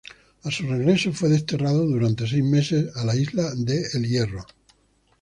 A su regreso fue desterrado durante seis meses a la isla de El Hierro.